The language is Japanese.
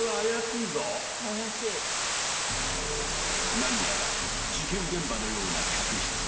何やら事件現場のような客室。